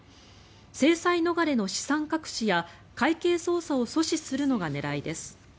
制裁逃れの資産隠しや会計操作を阻止するのが狙いです。